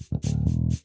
ya ampun mulai mikir